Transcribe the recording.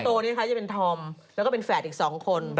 โตนี้ค่ะจะเป็นธอมแล้วก็เป็นแฝดอีก๒คน